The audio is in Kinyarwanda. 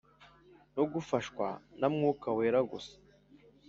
no gufashwa na mwuka wera gusa